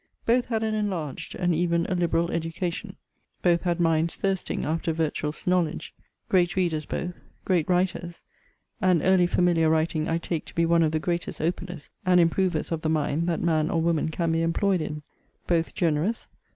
Both had an enlarged, and even a liberal education: both had minds thirsting after virtuous knowledge; great readers both; great writers [and early familiar writing I take to be one of the greatest openers and improvers of the mind that man or woman can be employed in.] Both generous.